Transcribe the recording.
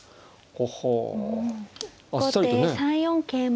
後手３四桂馬。